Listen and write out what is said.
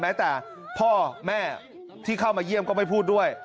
แต่พ่อแม่ที่เข้ามาเยี่ยมก็ไม่พูดด้วย